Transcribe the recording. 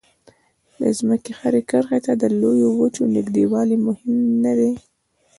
د ځمکې هرې کرښې ته د لویو وچو نږدېوالی مهم نه دی.